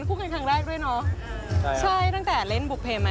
สุดท้ายวิเศษนะคะ